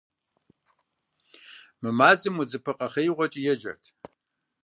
Мы мазэм удзыпэ къэхъеигъуэкӀи еджэрт.